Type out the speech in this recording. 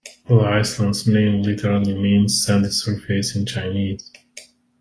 The island's name literally means "sandy surface" in Chinese.